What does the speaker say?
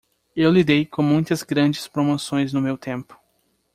Eu lidei com muitas grandes promoções no meu tempo.